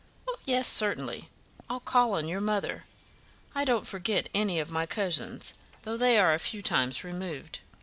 "Oh, yes, certainly, I'll call on your mother. I don't forget any of my cousins, though they are a few times removed.